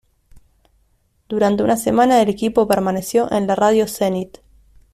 Durante una semana el equipo permaneció en la Radio Cenit.